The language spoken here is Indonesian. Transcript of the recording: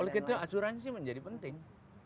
oleh karena itu asuransi menjadi penting